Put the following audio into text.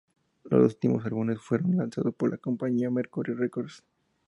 Los dos últimos álbumes fueron lanzados por la compañía Mercury Records.